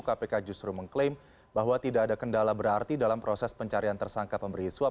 kpk justru mengklaim bahwa tidak ada kendala berarti dalam proses pencarian tersangka pemberi suap